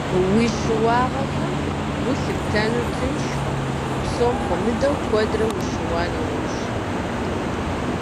Уи щыуагъэхэм гу лъыптэну тыншкъым, псом хуэмыдэу, куэдрэ ущыуа нэужь.